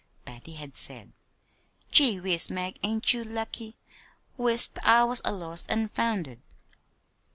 Patty had said: "Gee whiz, Mag, ain't you lucky? Wis't I was a lost an' founded!"